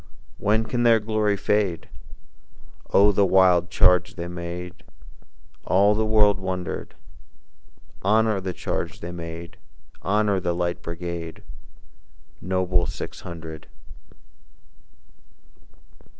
When can their glory fade? Oh, the wild charge they made! All the world wondered. Honor the charge they made! Honor the Light Brigade, Noble Six Hundred!